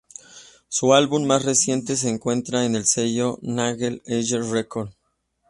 Su álbum más reciente se encuentra en el sello Nagel-Heyer Records.